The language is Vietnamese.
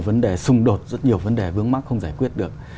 vấn đề xung đột rất nhiều vấn đề vướng mắc không giải quyết được